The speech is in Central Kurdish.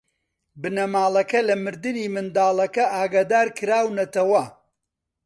بنەماڵەکە لە مردنی منداڵەکە ئاگادار کراونەتەوە.